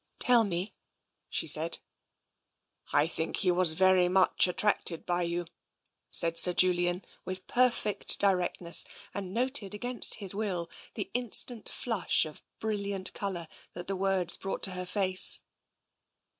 Tell me," she said. I think he was very much attracted by you," said Sir Julian, with perfect directness, and noted against his will the instant flush of brilliant colour that the words brought to her face.